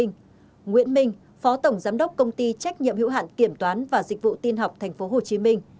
nguyễn minh phó tổng giám đốc công ty trách nhiệm hữu hạn kiểm toán và dịch vụ tin học tp hcm